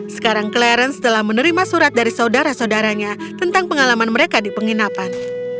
sekarang clarence telah menerima surat dari saudara saudaranya tentang pengalaman mereka di penginapan